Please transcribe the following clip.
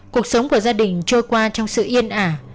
cuộc sống của gia đình trôi qua trong sự yên ả